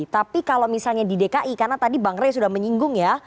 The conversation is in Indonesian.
tapi kalau misalnya di dki karena tadi bang rey sudah menyinggung ya